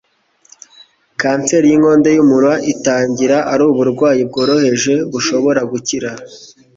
Kanseri y'inkondo y'umura itangira ari uburwayi bworoheje bushobora gukira